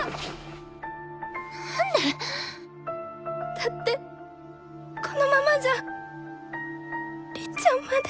だってこのままじゃりっちゃんまで。